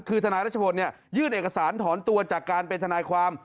คือทนายรัชพลยื่นเอกสารถอนตัวจากการเป็นทนายความ